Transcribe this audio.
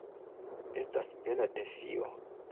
Estas bela defio.